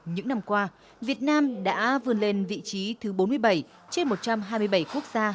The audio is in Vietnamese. những năm qua việt nam đã vươn lên vị trí thứ bốn mươi bảy trên một trăm hai mươi bảy quốc gia